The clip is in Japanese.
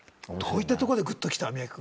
どういったとこでぐっときた？